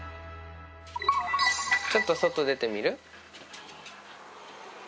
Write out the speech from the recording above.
ちょっと外出てみる？